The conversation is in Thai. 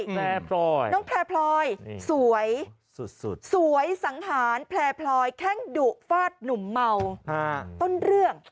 น้องแพลพลอยสวยสังหารแพลพลอยแค่งดุฟาดหนุ่มเมาต้นเรื่อง